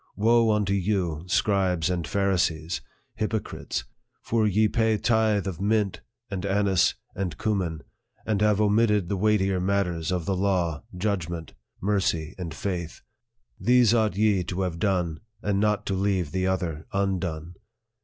Woe unto you, scribes and Pharisees, hypo crites ! for ye pay tithe of mint, and anise, and cum in, and have omitted the weightier matters of the law, judgment, mercy, and faith ; these ought ye to have done, and not to leave the other undone.